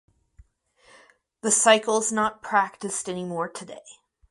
The cycle is not practiced anymore today.